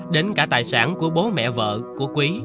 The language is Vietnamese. đến cả tài sản của bố mẹ vợ của quý